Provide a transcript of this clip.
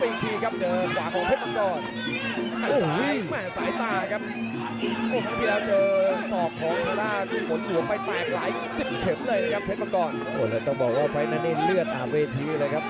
นี่แข็งแรงแข็งแรงครับอ่าส่วนก่อนเจอส่วนหัวเป็นตัวไอ้ซ้ายครับ